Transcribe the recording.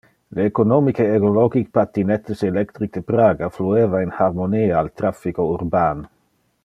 Le economic e ecologic patinettes electric de Praga flueva in harmonia al traffico urban.